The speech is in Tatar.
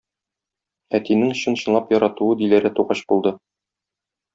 Әтинең чын-чынлап яратуы Диләрә тугач булды.